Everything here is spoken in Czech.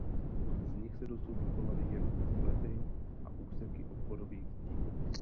Z nich se dosud dochovaly jen sklepy a úseky obvodových zdí.